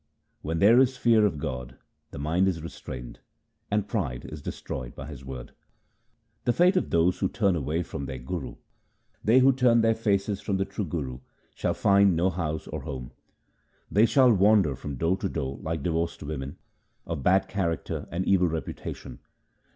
When there is fear of God the mind is restrained, and pride is destroyed by His word. The fate of those who turn away from their Guru :— They who turn their faces from the true Guru, shall find no house or home. They shall wander from door to door like divorced women of bad character and evil reputation.